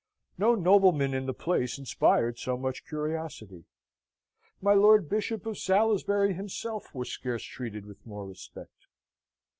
No nobleman in the place inspired so much curiosity. My Lord Bishop of Salisbury himself was scarce treated with more respect.